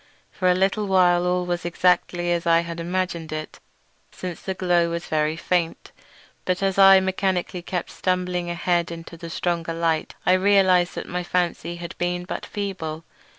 For a little while all was exactly as I had imagined it, since the glow was very faint; but as I mechanically kept on stumbling ahead into the stronger light I realised that my fancy had been but feeble.